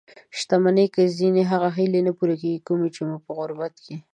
شتمني کې ځينې هغه هیلې نه پوره کېږي؛ کومې چې مو په غربت کې